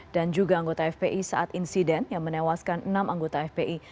juga anggota fpi saat insiden yang menewaskan enam anggota fpi